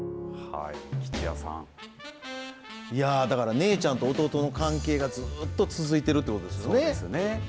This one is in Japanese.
姉ちゃんと弟の関係がずっと続いてるっていうことですよね。